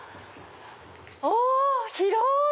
お広い！